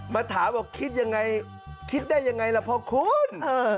มาถามบอกคิดยังไงคิดได้ยังไงล่ะพ่อคุณ